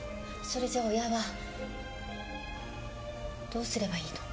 それじゃあ親はどうすればいいの？